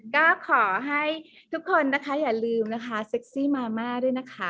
ก็ขอให้ทุกคนนะคะอย่าลืมนะคะเซ็กซี่มาม่าด้วยนะคะ